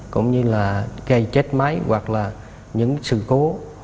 cũng như là gây chết máy hoặc là những sự cố